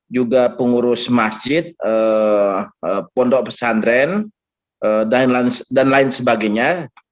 juga pengurus masjid pondok pesantren dan lain sebagainya